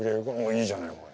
いいじゃないこれ。